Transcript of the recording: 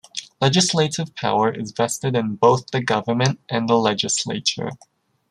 Legislative power is vested in both the government and the legislature.